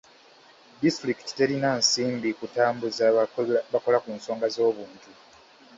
Disitulikiti terina nsimbi kutambuza bakola ku nsonga z'obuntu.